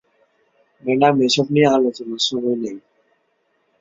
Madam, এসব নিয়ে আলোচনার সময় নেই।